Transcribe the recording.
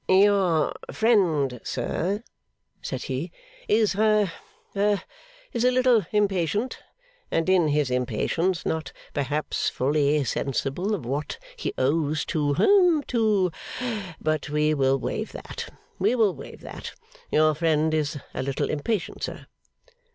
'Your friend, sir,' said he, 'is ha is a little impatient; and, in his impatience, is not perhaps fully sensible of what he owes to hum to but we will waive that, we will waive that. Your friend is a little impatient, sir.